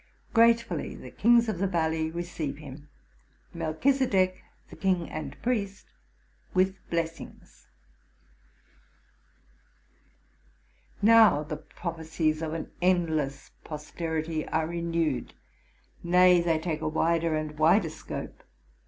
Gratefully the kings of the valley receive him; Melchisedek, the king and priest, with blessings. Now the prophecies of an endless posterity are renewed ; nay, they take a wider and wider scope.